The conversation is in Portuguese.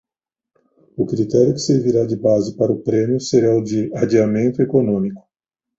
O critério que servirá de base para o prêmio será o de adiantamento econômico.